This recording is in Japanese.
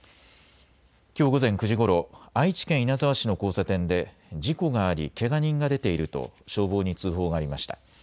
きょう午前９時ごろ愛知県稲沢市の交差点で事故があり、けが人が出ていると消防に通報がありました。